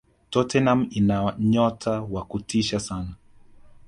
tottenham ina nyota wa kutisha sana